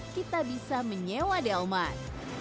kita bisa menyewa delman